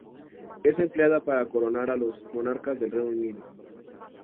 Es empleada para coronar a los monarcas del Reino Unido.